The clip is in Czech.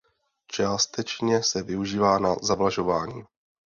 Částečně se využívá na zavlažování.